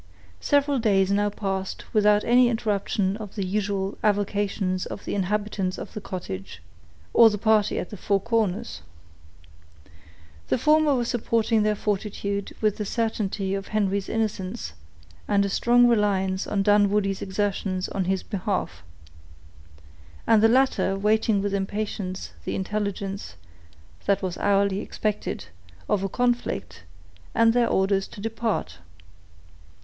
Several days now passed without any interruption of the usual avocations of the inhabitants of the cottage, or the party at the Four Corners. The former were supporting their fortitude with the certainty of Henry's innocence, and a strong reliance on Dunwoodie's exertions in his behalf, and the latter waiting with impatience the intelligence, that was hourly expected, of a conflict, and their orders to depart.